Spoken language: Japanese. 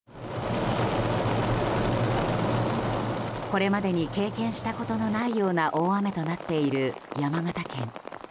これまでに経験したことのないような大雨となっている山形県。